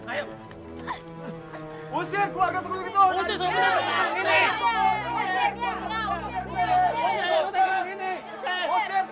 kabur shair kabur kabur kabur kabur kabur kabur zabar modal kabur kahlar kabur kabur kabur hernan